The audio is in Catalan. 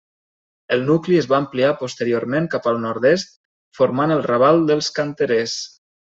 El nucli es va ampliar posteriorment cap al nord-est formant el Raval dels Canterers.